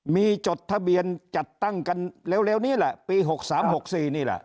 มีจดทะเบียนจัดตั้งกันเร็วนี้แหละปี๖๓๖๔นี่แหละ